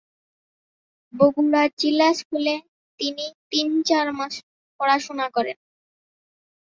বগুড়া জিলা স্কুলে তিনি তিন-চার মাস পড়াশুনা করেন।